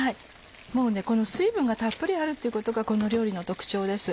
もうこの水分がたっぷりあるっていうことがこの料理の特徴です。